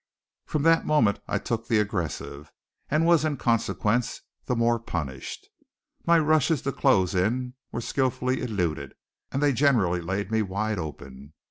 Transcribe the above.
From that moment I took the aggressive, and was in consequence the more punished. My rushes to close in were skilfully eluded; and they generally laid me wide open.